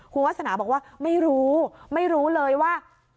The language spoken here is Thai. คุณวาสนาบอกว่าไม่รู้ไม่รู้เลยว่า